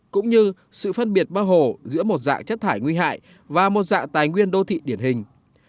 cũng như sự phân biệt bác hồ giữa một dạng chất thải nguy hại và một dạng tài nguyên đô thị điển hình